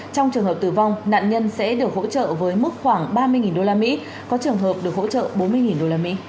trong trường hợp tử vong nạn nhân sẽ được hỗ trợ với mức khoảng ba mươi usd có trường hợp được hỗ trợ bốn mươi usd